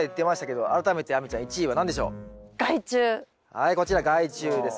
はいこちら害虫ですね。